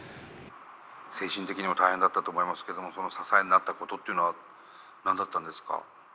精神的にも大変だったと思いますけどもその支えになったことっていうのは何だったんですか？